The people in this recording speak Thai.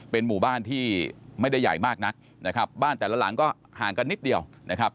เป็นหมู่บ้านที่ไม่ได้ใหญ่มากนักนะครับบ้านแต่ละหลังก็ห่างกันนิดเดียวนะครับ